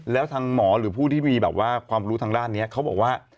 แล้วทางหมอหรือผู้ที่มีแบบว่าความรู้ทางด้านนี้เขาบอกว่า